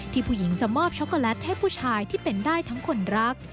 ผู้หญิงจะมอบช็อกโกแลตให้ผู้ชายที่เป็นได้ทั้งคนรัก